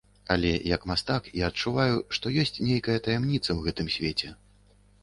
Але як мастак я адчуваю, што ёсць нейкая таямніца ў гэтым свеце.